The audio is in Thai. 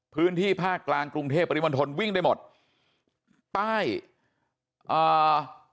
พื้นที่ภาคกลางกรุงเทพปริมณฑลวิ่งได้หมดป้ายอ่า